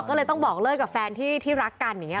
ก็เลยต้องบอกเลิกกับแฟนที่รักกันอย่างนี้